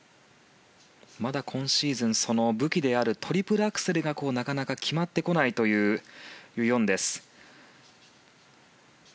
まだ今シーズン武器であるトリプルアクセルがなかなか決まってこないというユ・ヨンです。